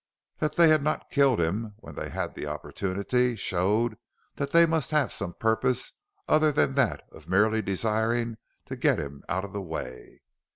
That they had not killed him when they had the opportunity, showed that they must have had some purpose other than that of merely desiring to get him out of the way.